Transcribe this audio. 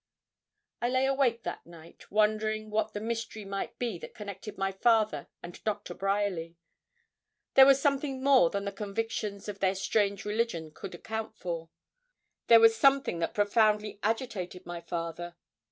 I lay awake that night, wondering what the mystery might be that connected my father and Dr. Bryerly. There was something more than the convictions of their strange religion could account for. There was something that profoundly agitated my father.